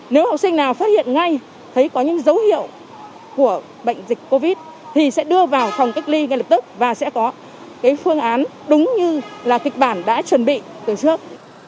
nếu học sinh nào phát hiện ngay thấy có những dấu hiệu của bệnh dịch covid thì sẽ đưa vào phòng cách ly ngay lập tức và sẽ có cái phương án đúng như là kịch bản đã chuẩn bị từ trước